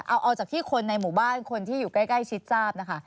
เอาจากที่คนในหมู่บ้านคนที่อยู่ใกล้ชิดทราบนะคะ